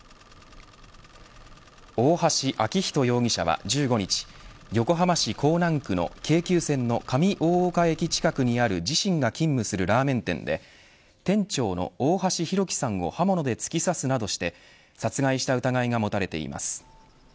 大橋昭仁容疑者は１５日横浜市港南区の京急線の上大岡駅近くにある自身が勤務するラーメン店で店長の大橋弘輝さんを刃物で突き刺すなどして殺害した疑いが持たれています。